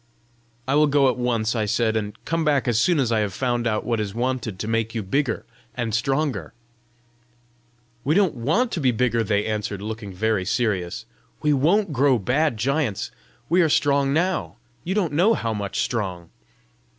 "I will go at once," I said, "and come back as soon as I have found out what is wanted to make you bigger and stronger." "We don't want to be bigger," they answered, looking very serious. "We WON'T grow bad giants! We are strong now; you don't know how much strong!"